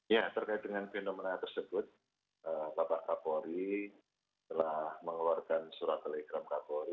ya terkait dengan fenomena tersebut bapak kapolri telah mengeluarkan surat telegram kapolri